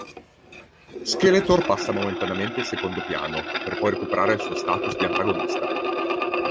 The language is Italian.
Skeletor passa momentaneamente in secondo piano, per poi recuperare il suo status di antagonista.